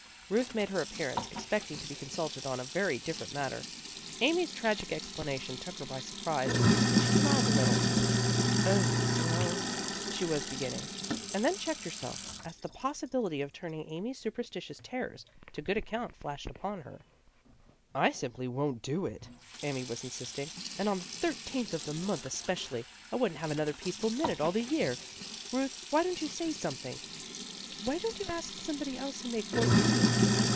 Ruth made her appearance, expecting to be consulted on a very different matter. Amy's tragic explanation took her by surprise, and she smiled a little. *" 0, well," she was be ginning, and then checked herself, as the possi bility of turning Amy's superstitious terrors to good account flashed upon her. "' WHY NOT ASK PEGGY? '' A BELATED INVITATION 267 " I simply won't do it," Amy was insisting. " And on the thirteenth of the month, especially. I wouldn't have another peaceful minute all the year. Ruth, why don't you say some thing? "" Why don't you ask somebody else and make fourteen."